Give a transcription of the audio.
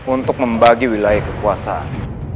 untuk membagi wilayah kekuasaan